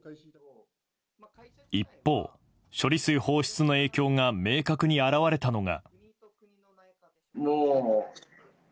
一方、処理水放出の影響が明確に表れたのが。